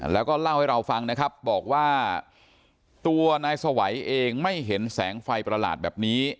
แล้วก็เล่าให้เราฟังนะครับบอกว่าตัวนายสวัยเองไม่เห็นแสงไฟประหลาดแบบนี้